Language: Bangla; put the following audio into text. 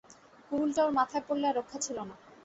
কুড়ুলটা ওর মাথায় পড়লে আর রক্ষা ছিল না।